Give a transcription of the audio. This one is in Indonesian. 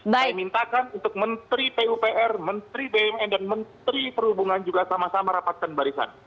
saya mintakan untuk menteri pupr menteri bumn dan menteri perhubungan juga sama sama rapatkan barisan